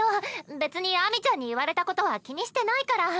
別に秋水ちゃんに言われたことは気にしてないから。